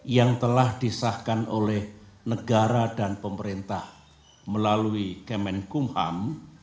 yang telah disahkan oleh negara dan pemerintah melalui kemenkumham